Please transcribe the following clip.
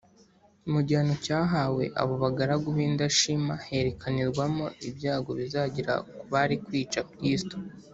mu gihano cyahawe abo bagaragu b’indashima herekanirwamo ibyago bizagera ku bari kwica kristo